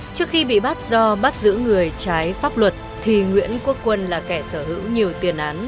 trước khi bị bắt do bắt giữ người trái pháp luật thì nguyễn quốc quân là kẻ sở hữu nhiều tiền án